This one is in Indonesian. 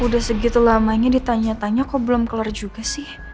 udah segitu lamanya ditanya tanya kok belum keluar juga sih